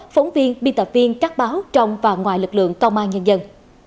phóng viên biên tập viên các báo trong và ngoài lực lượng công an nhân dân